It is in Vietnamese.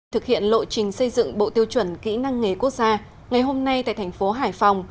thực hiện lộ trình xây dựng bộ tiêu chuẩn kỹ năng nghề quốc gia ngày hôm nay tại thành phố hải phòng